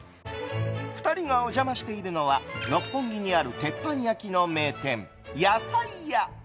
２人がお邪魔しているのは六本木にある鉄板焼きの名店やさいや。